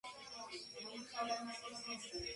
Зенькович Н. А. Самые закрытые люди.